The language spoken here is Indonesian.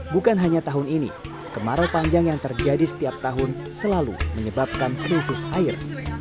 bukan hanya tahun ini kemarau panjang yang terjadi setiap tahun selalu menyebabkan krisis air